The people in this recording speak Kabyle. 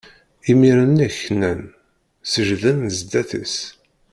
Imir-nni knan, seǧǧden zdat-s.